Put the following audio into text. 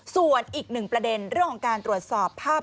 ส่วนอีกหนึ่งประเด็นเรื่องของการตรวจสอบภาพ